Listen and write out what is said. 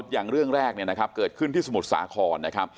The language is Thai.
อย่างเรื่องแรกเกิดขึ้นที่สมุทรสาครนะครับ